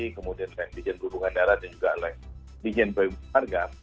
kemudian di jendul bunga darat dan juga di jendul bunga marga